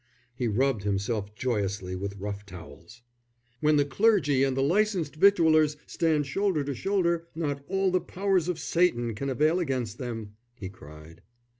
He rubbed himself joyously with rough towels. "When the Clergy and the Licensed Victualers stand shoulder to shoulder, not all the powers of Satan can avail against them," he cried.